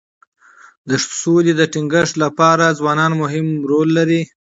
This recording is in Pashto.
د سولي د ټینګښت لپاره ځوانان مهم رول لري.